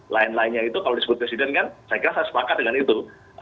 lain lainnya itu kalau disebut presiden kan saya kira saya sepakat dengan itu